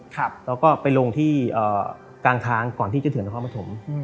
แล้วก็ไปลงที่กลางทางก่อนที่จะถึงนครปฐม